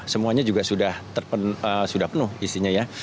semuanya juga sudah penuh isinya ya